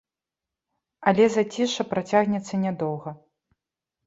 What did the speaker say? Але зацішша працягнецца нядоўга.